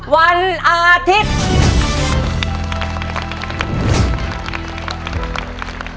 วันอาทิตย์